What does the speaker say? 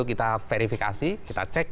kita verifikasi kita cek